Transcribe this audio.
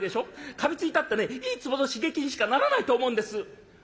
かみついたってねいいツボの刺激にしかならないと思うんです」。